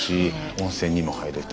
温泉にも入れて。